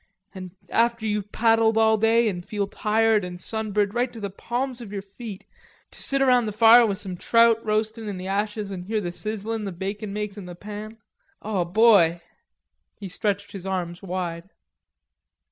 And after you've paddled all day, an' feel tired and sunburned right to the palms of your feet, to sit around the fire with some trout roastin' in the ashes and hear the sizzlin' the bacon makes in the pan.... O boy!" He stretched his arms wide.